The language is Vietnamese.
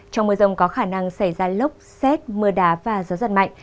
trong mưa rông có khả năng xảy ra lốc xét mưa đá và gió giật mạnh